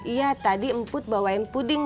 iya tadi emput bawain puding